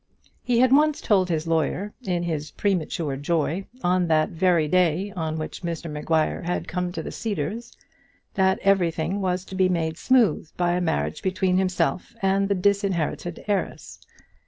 He had once told his lawyer, in his premature joy, on that very day on which Mr Maguire had come to the Cedars, that everything was to be made smooth by a marriage between himself and the disinherited heiress.